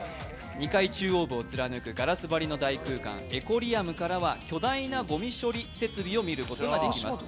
２階中央部を貫くガラス張りの大空間、エコリアムからは巨大なごみ処理設備を見ることができます。